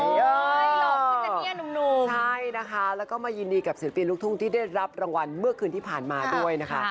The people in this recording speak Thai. หลอกขึ้นนะเนี่ยหนุ่มใช่นะคะแล้วก็มายินดีกับศิลปินลูกทุ่งที่ได้รับรางวัลเมื่อคืนที่ผ่านมาด้วยนะคะ